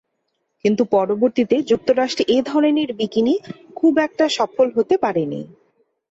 কিন্তু পরবর্তীতে যুক্তরাষ্ট্রে এ ধরনের বিকিনি খুব একটা সফল হতে পারে নি।